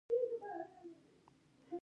د واده په شپه نکریزې په لاسونو کیښودل کیږي.